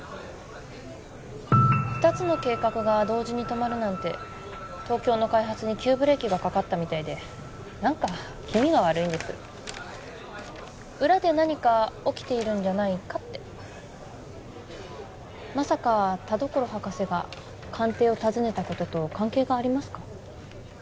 ２つの計画が同時に止まるなんて東京の開発に急ブレーキがかかったみたいで何か気味が悪いんです裏で何か起きているんじゃないかってまさか田所博士が官邸を訪ねたことと関係がありますか？